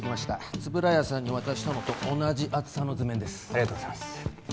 円谷さんに渡したのと同じ厚さの図面ですありがとうございます